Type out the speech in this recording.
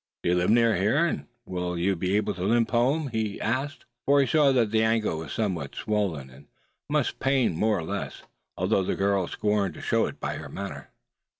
"Do you live near here; and will you be able to limp home?" he asked; for he saw that the ankle was somewhat swollen, and must pain more or less; although the girl scorned to show it by her manner.